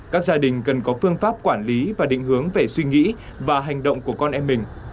các gia đình cần có phương pháp quản lý và định hướng về suy nghĩ và hành động của con em mình